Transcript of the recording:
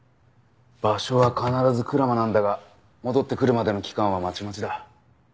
場所は必ず鞍馬なんだが戻ってくるまでの期間はまちまちだ。